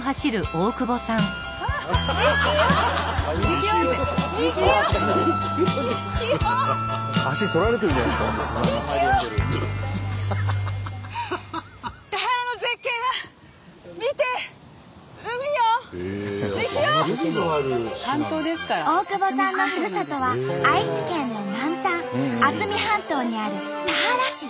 大久保さんのふるさとは愛知県の南端渥美半島にある田原市。